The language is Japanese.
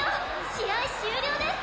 試合終了です！